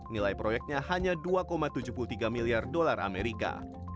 nilai proyeknya hanya dua tujuh puluh tiga miliar dolar amerika